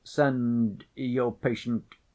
send ... your patient ...